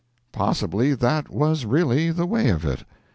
Possibly that was really the way of it.